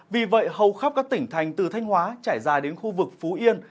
vì vậy hầu khắp các tỉnh thành từ thanh hóa trải dài đến khu vực phú yên